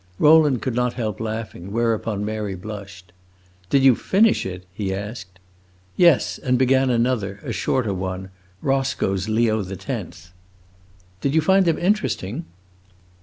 Rowland could not help laughing; whereupon Mary blushed. "Did you finish it?" he asked. "Yes, and began another a shorter one Roscoe's Leo the Tenth." "Did you find them interesting?"